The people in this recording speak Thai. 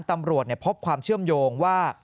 ตำรวจพบความเชื่อมโยงว่า